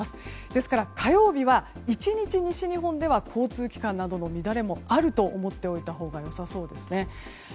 ですから火曜日は１日西日本では交通機関などの乱れもあると思っておいたほうがよさそうですね。